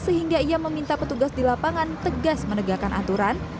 sehingga ia meminta petugas di lapangan tegas menegakkan aturan